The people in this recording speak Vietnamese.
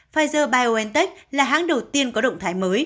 pfizer biontech là hãng đầu tiên có động thái mới